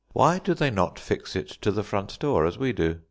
Why do they not fix it to the front door as we do?